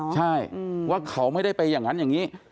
ใช่ว่าเขาไม่ได้ไปอย่างนั้นอย่างนี้